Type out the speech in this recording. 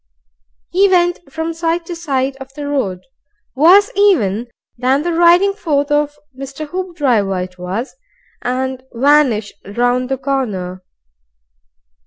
He went from side to side of the road, worse even than the riding forth of Mr. Hoopdriver it was, and vanished round the corner.